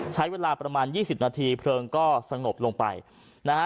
ใช้เวลาประมาณยี่สิบนาทีเพลิงก็สงบลงไปนะฮะ